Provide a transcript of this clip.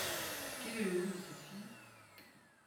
Quel est le nom de cette fille ?